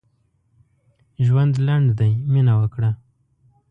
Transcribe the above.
ژوند لنډ دی؛ مينه وکړه.